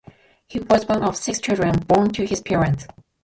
He was one of six children born to his parents.